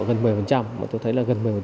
gần một mươi mà tôi thấy là gần một mươi